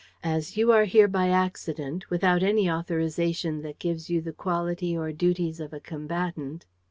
As you are here by accident, without any authorization that gives you the quality or duties of a combatant.